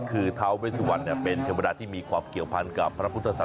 คือท้าเวสวรรณเป็นเทวดาที่มีความเกี่ยวพันกับพระพุทธศาส